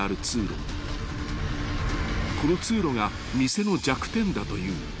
［この通路が店の弱点だという］